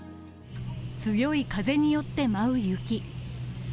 強い風によって、舞う雪。